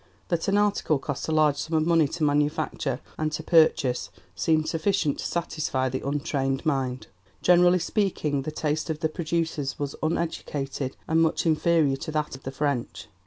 That an article cost a large sum of money to manufacture and to purchase seemed sufficient to satisfy the untrained mind. Generally speaking, the taste of the producers was uneducated and much inferior to that of the French.